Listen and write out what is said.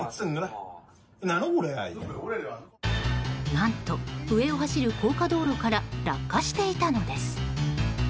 何と、上を走る高架道路から落下していたのです。